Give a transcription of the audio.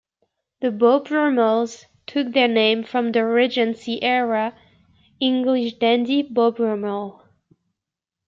The Beau Brummels took their name from the Regency era English dandy Beau Brummel.